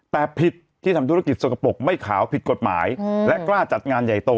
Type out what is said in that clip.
แต่ผิดที่ทำธุรกิจสกปรกไม่ขาวผิดกฎหมายและกล้าจัดงานใหญ่โต